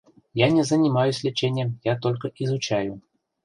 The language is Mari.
Я не занимаюсь лечением, я только изучаю.